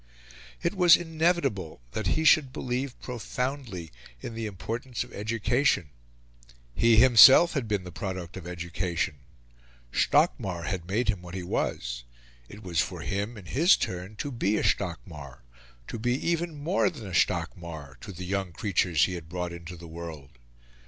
It was inevitable that he should believe profoundly in the importance of education; he himself had been the product of education; Stockmar had made him what he was; it was for him, in his turn, to be a Stockmar to be even more than a Stockmar to the young creatures he had brought into the world.